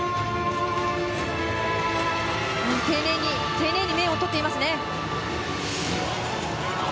丁寧に面を取っています。